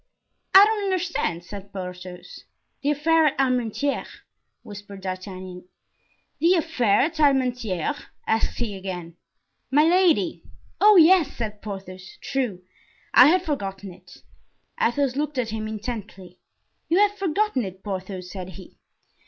"I don't understand," said Porthos. "The affair at Armentieres," whispered D'Artagnan. "The affair at Armentieres?" asked he again. "Milady." "Oh, yes!" said Porthos; "true, I had forgotten it!" Athos looked at him intently. "You have forgotten it, Porthos?" said he.